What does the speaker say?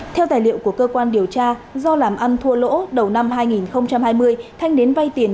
theo tài liệu của cơ quan điều tra do làm ăn thua lỗ đầu năm hai nghìn hai mươi thanh đến vay tiền